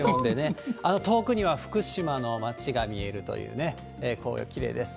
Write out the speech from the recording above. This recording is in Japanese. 遠くには福島の町が見えるというね、すごい紅葉きれいです。